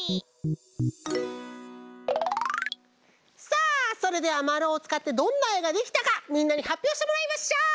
さあそれではまるをつかってどんなえができたかみんなにはっぴょうしてもらいましょう！